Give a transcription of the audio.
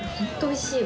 おいしい！